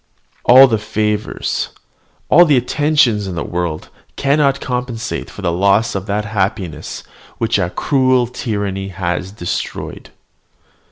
All the favours, all the attentions, in the world cannot compensate for the loss of that happiness which a cruel tyranny has destroyed."